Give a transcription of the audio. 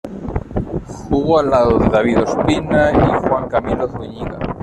Jugó al lado de David Ospina y Juan Camilo Zuñiga.